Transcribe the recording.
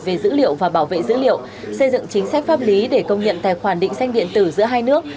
về dữ liệu và bảo vệ dữ liệu xây dựng chính sách pháp lý để công nhận tài khoản định danh điện tử giữa hai nước